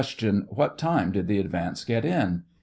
What time did the advance get in